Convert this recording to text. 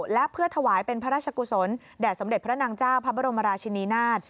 และเพื่อถวายเป็นพระราชกุศลแด่สมเด็จพระนางเจ้าพระบรมราชินีนาฏ